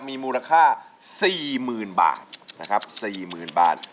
มีมูลค่า๔๐๐๐บาทนะครับ๔๐๐๐บาท